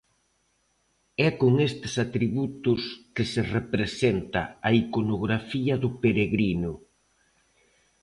É con estes atributos que se representa a iconografía do peregrino.